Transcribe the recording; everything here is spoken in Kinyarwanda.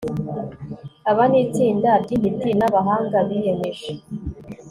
aba ni itsinda ry'intiti n'abahanga biyemeje